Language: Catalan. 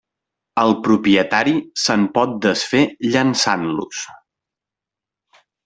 El propietari se'n pot desfer llençant-los.